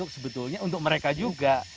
sebetulnya untuk mereka juga